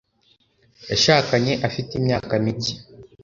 yashakanye afite imyaka mike